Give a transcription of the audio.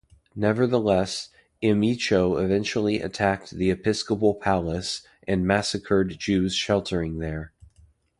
Nevertheless, Emicho eventually attacked the episcopal palace and massacred Jews sheltering there.